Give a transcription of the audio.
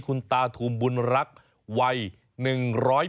คุณตาถูมบุญรักวัย